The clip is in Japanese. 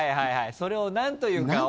それを何というかを。